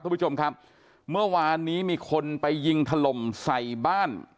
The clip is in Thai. คุณผู้ชมครับเมื่อวานนี้มีคนไปยิงถล่มใส่บ้าน